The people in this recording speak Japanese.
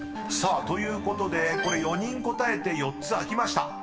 ［さあということでこれ４人答えて４つ開きました］